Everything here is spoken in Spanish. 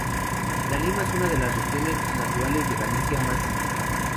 La Limia es una de las regiones naturales de Galicia más nítida.